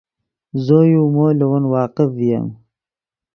زو یو مو لے ون واقف ڤییم